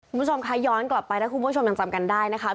คุณผู้ชมคะย้อนกลับไปถ้าคุณผู้ชมยังจำกันได้นะคะ